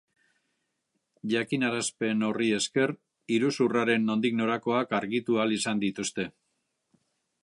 Jakinarazpen horri esker, iruzurraren nondik norakoak argitu ahal izan dituzte.